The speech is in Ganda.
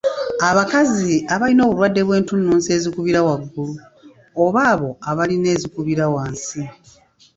Abakazi abalina obulwadde bw’entunnunsi ezikubira waggula oba abo abalina ezikubira wansi.